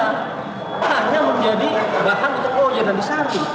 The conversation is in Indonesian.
hanya menjadi bahan untuk luar jalan di sari